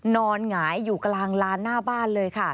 หงายอยู่กลางลานหน้าบ้านเลยค่ะ